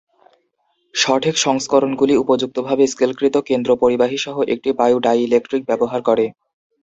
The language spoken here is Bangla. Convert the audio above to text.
সঠিক সংস্করণগুলি উপযুক্তভাবে স্কেলকৃত কেন্দ্র পরিবাহী সহ একটি বায়ু ডাইইলেকট্রিক ব্যবহার করে।